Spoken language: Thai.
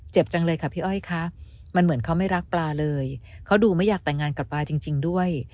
จังเลยค่ะพี่อ้อยคะมันเหมือนเขาไม่รักปลาเลยเขาดูไม่อยากแต่งงานกับปลาจริงด้วย